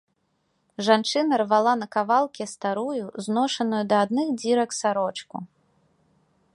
Жанчына рвала на кавалкі старую, зношаную да адных дзірак сарочку.